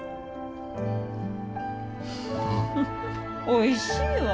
おいしいわ。